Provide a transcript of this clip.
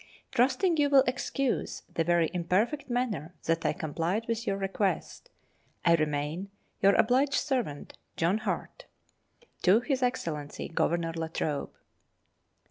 Trusting you will excuse the very imperfect manner that I complied with your request, I remain, Your obliged servant, JOHN HART. His Excellency Governor La Trobe.